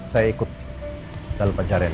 saya ikut dalam pencarian